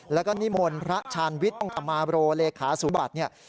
แล้วก็นิมนต์พระชาญวิทย์อุตมาโรเลขาสุบัติเนี่ย